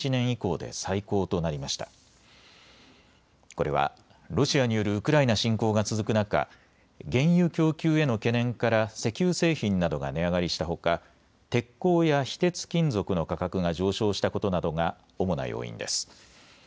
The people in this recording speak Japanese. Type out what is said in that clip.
これはロシアによるウクライナ侵攻が続く中、原油供給への懸念から石油製品などが値上がりしたほか、鉄鋼や非鉄金属の価格が上昇したことなどが主な要因です。